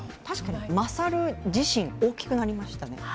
確かにマサル自身、大きくなりましたね。